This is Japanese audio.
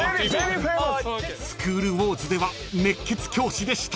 ［『スクール★ウォーズ』では熱血教師でした］